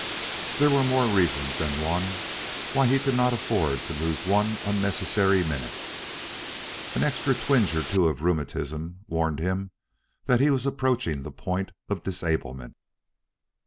There were more reasons than one why he could not afford to lose one unnecessary minute. An extra twinge or two of rheumatism warned him that he was approaching the point of disablement.